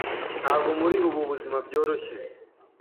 ntabwo muri ubu buzimabyoroshe